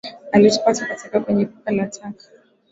Alitupa takataka kwenye pipa la taka